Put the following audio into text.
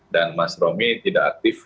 dan mas romi tidak aktif